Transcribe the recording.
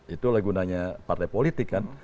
itu lagi undangnya partai politik kan